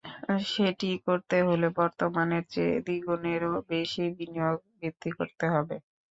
সেটি করতে হলে বর্তমানের চেয়ে দ্বিগুণেরও বেশি বিনিয়োগ বৃদ্ধি করতে হবে।